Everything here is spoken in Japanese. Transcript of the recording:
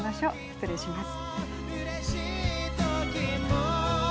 失礼します。